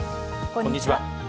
こんにちは。